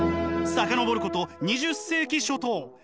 遡ること２０世紀初頭。